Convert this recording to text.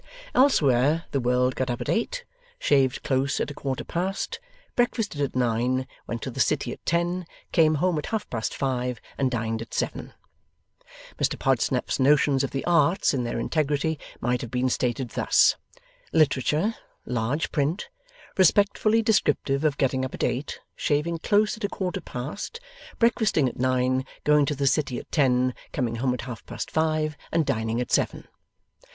Elsewise, the world got up at eight, shaved close at a quarter past, breakfasted at nine, went to the City at ten, came home at half past five, and dined at seven. Mr Podsnap's notions of the Arts in their integrity might have been stated thus. Literature; large print, respectfully descriptive of getting up at eight, shaving close at a quarter past, breakfasting at nine, going to the City at ten, coming home at half past five, and dining at seven.